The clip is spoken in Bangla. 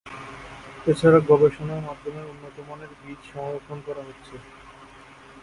এছাড়া গবেষনার মাধ্যমে উন্নতমানের বীজ সংরক্ষন করা হচ্ছে।